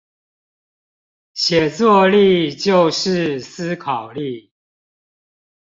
寫作力就是思考力